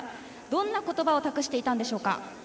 どんな言葉を託していたんでしょうか。